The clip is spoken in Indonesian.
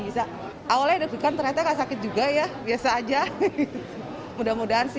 bisa awalnya deg degan ternyata sakit juga ya biasa aja mudah mudahan sih